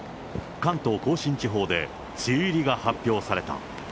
関東甲信地方で梅雨入りが発表された。